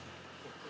saya kira tidak